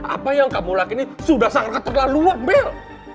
apa yang kamu lakini sudah sangat terlalu luas mel